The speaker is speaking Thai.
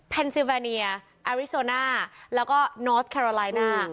เพนซิเวเนียอาริโซน่าแล้วก็นอร์ธแคโรไลน่า